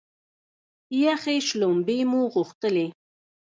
یخې شلومبې مو غوښتلې.